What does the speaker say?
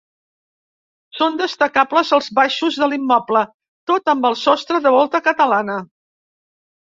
Són destacables els baixos de l'immoble, tots amb sostre de volta catalana.